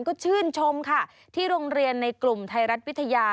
ก็ชื่นชมค่ะที่โรงเรียนในกลุ่มไทยรัฐวิทยา